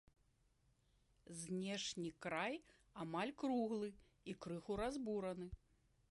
Знешні край амаль круглы і крыху разбураны.